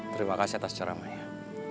terima kasih atas ceramahnya